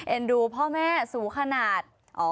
เอ็นดูพ่อแม่สูงขนาดอ๋อ